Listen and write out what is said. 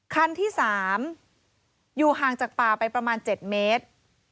คันที่๓อยู่ห่างจากป่าไปประมาณ๗เมตร